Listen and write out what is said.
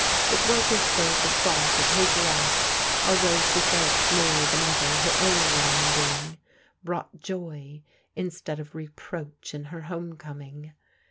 It was as though the thought of his love, although she felt more than ever her own wrong doing, brought joy in stead oi reproach in her home comVtvg.